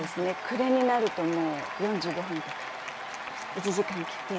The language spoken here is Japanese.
暮れになるともう４５分とか１時間切っていて。